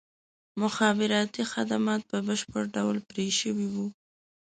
مخابراتي خدمات په بشپړ ډول پرې شوي وو.